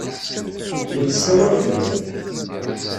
La tessawal fell-ak.